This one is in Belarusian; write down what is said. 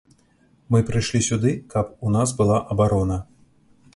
Мы прыйшлі сюды, каб у нас была абарона.